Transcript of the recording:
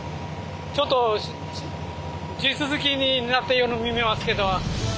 ちょっと地続きになってるようにも見えますけど。